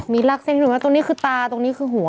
มีลากเต้นให้ดูไหมตรงนี้คือตาตรงนี้คือหัว